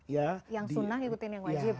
yang sunnah ngikutin yang wajib